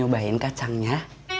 bangga kan ya